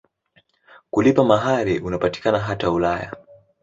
Kulipa mahari unapatikana hata Ulaya.